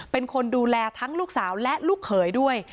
เป็นคนดูแลทั้งลูกสาวและลูกเขยด้วย